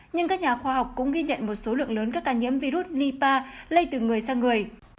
nhưng các nhà khoa học cũng ghi nhận một số lượng lớn các ca nhiễm virus lipa lây từ người sang người